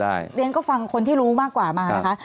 แต่ที่ที่เรียนก็ฟังคนที่รู้มากกว่ามานะคะ